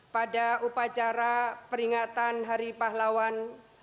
pada upacara peringatan hari pahlawan